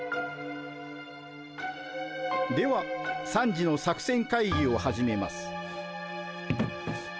では３時の作戦会議を始めます。